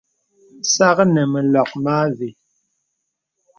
Sàknə məlɔk mə àvə.